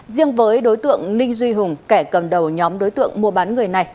riêng với đối tượng ninh duy hùng kẻ cầm đầu nhóm đối tượng mua bán người này